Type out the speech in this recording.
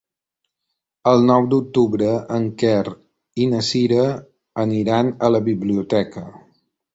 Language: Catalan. El nou d'octubre en Quer i na Cira aniran a la biblioteca.